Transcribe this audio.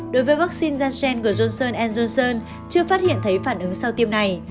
đối với vaccine dancen của johnson johnson chưa phát hiện thấy phản ứng sau tiêm này